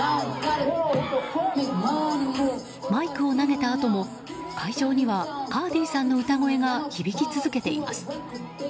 マイクを投げたあとも、会場にはカーディさんの歌声が響き続けています。